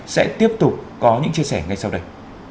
sẽ tiếp tục có những chia sẻ ngay sau đây